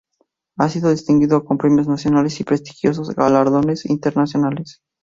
Ha sido distinguido con premios nacionales y prestigiosos galardones internacionales.